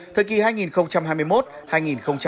thời kỳ hai nghìn hai mươi một hai nghìn ba mươi